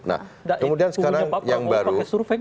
nah kemudian sekarang yang baru